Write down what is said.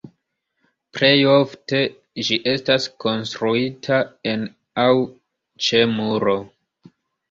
Plej ofte ĝi estas konstruita en aŭ ĉe muro.